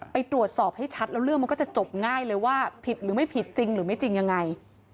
ไปตรวจสอบให้ชัดแล้วเรื่องมันก็จะจบง่ายเลยว่าผิดหรือไม่ผิดจริงหรือไม่จริงยังไง